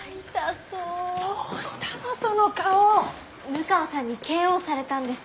六川さんにＫＯされたんです。